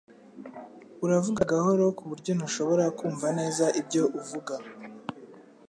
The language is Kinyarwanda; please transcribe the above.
Uravuga gahoro kuburyo ntashobora kumva neza ibyo uvuga